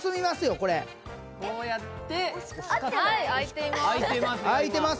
これこうやってはい開いています